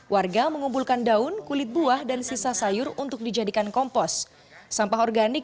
warga mengumpulkan daun kulit buah dan sisa sayur untuk dijadikan kompos sampah organik